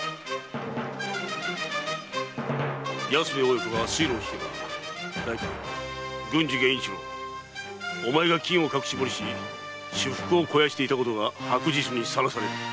安兵衛親子が水路を引けば代官・郡司源一郎お前が金を隠し掘りし私腹を肥やしていたことが白日にさらされる。